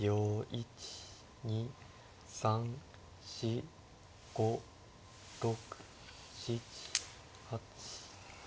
１２３４５６７８。